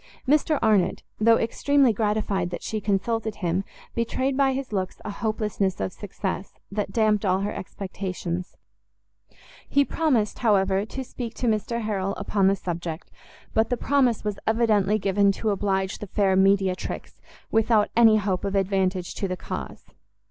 Mr Arnott, though extremely gratified that she consulted him, betrayed by his looks a hopelessness of success, that damped all her expectations. He promised, however, to speak to Mr Harrel upon the subject, but the promise was evidently given to oblige the fair mediatrix, without any hope of advantage to the cause.